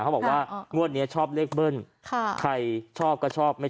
เขาบอกว่างวดนี้ชอบเลขเบิ้ลใครชอบก็ชอบไม่